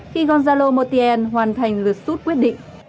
khi gonzalo montiel hoàn thành lượt suốt quyết định